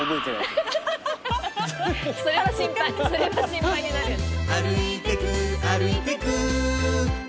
それは心配になるやつ。